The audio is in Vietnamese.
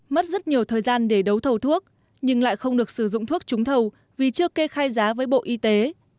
mất rất nhiều thời gian để đấu thầu thuốc nhưng lại không được sử dụng thuốc trúng thầu vì chưa kê khai giá với bộ y tế